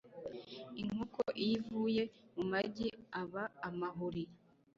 inkoko iyo ivuiye mu magi aba amahuri